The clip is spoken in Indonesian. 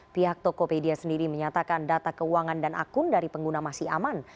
pihak tokopedia sendiri menyatakan data keuangan dan akun dari pengguna masih aman